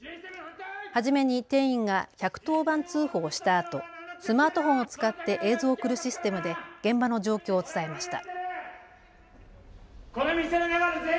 初めに店員が１１０番通報をしたあと、スマートフォンを使って映像を送るシステムで現場の状況を伝えました。